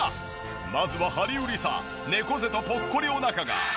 まずはハリウリサ猫背とぽっこりお腹が。